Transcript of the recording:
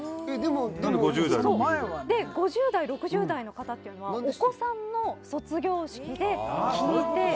５０代６０代の方っていうのはお子さんの卒業式で聴いて。